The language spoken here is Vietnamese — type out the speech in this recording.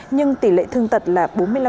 nhưng tỷ lệ thương tật là bốn mươi năm